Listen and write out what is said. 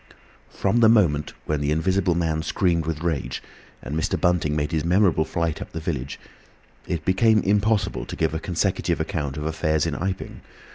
From the moment when the Invisible Man screamed with rage and Mr. Bunting made his memorable flight up the village, it became impossible to give a consecutive account of affairs in Iping.